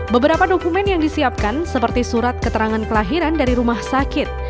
beberapa dokumen yang disiapkan seperti surat keterangan kelahiran dari rumah sakit